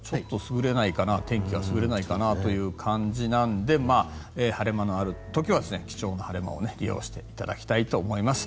なんとなく天気が優れないかなという感じなので晴れ間のある時は貴重な晴れ間を利用していただきたいと思います。